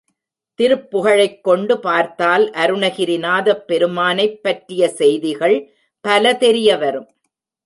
திருப்புகழைக் கொண்டு பார்த்தால் அருணகிரி நாதப் பெருமானைப் பற்றிய செய்திகள் பல தெரியவரும்.